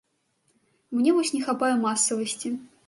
Мне вось не хапае масавасці.